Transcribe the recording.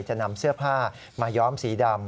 จะนำเสื้อผ้ามาย้อมสีดำ